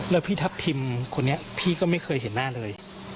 แล้วพี่ทัพทิมคนนี้พี่ก็ไม่เคยเห็นหน้าเลย